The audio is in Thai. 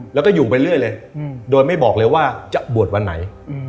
แล้วก็อยู่ไปเรื่อยเลยโดยไม่บอกเลยว่าจะบวชวันไหน